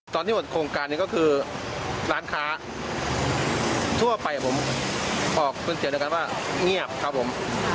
ตอนที่หมดโครงการนี้ก็คือร้านค้าทั่วไปผมบอกคุณเสียงเดียวกันว่าเงียบครับผม